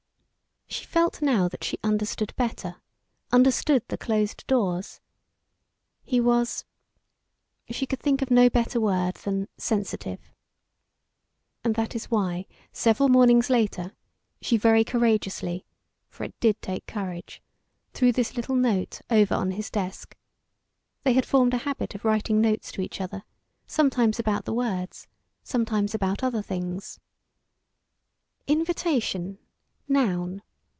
She felt now that she understood better understood the closed doors. He was she could think of no better word than sensitive. And that is why, several mornings later, she very courageously for it did take courage threw this little note over on his desk they had formed a habit of writing notes to each other, sometimes about the words, sometimes about other things. "IN VI TA TION, _n.